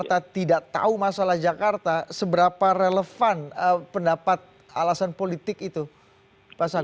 tidak tahu masalah jakarta seberapa relevan pendapat alasan politik itu pak agung